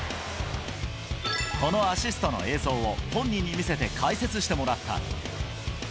このアシストの映像を本人に見せて解説してもらった。